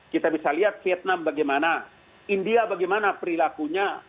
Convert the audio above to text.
kita bisa lihat vietnam bagaimana india bagaimana perilakunya